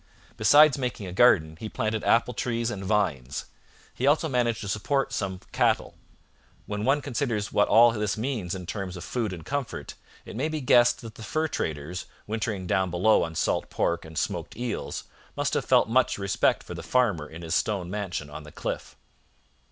Besides making a garden, he planted apple trees and vines. He also managed to support some cattle. When one considers what all this means in terms of food and comfort, it may be guessed that the fur traders, wintering down below on salt pork and smoked eels, must have felt much respect for the farmer in his stone mansion on the cliff.